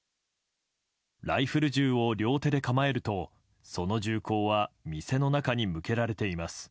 ライフル銃を両手で構えるとその銃口は店の中に向けられています。